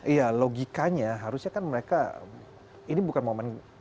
iya logikanya harusnya kan mereka ini bukan momen momen yang menarik